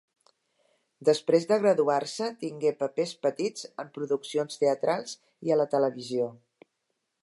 Després de graduar-se, tingué papers petits en produccions teatrals i a la televisió.